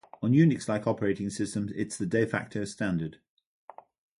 On Unix-like operating systems it is the "de facto" standard.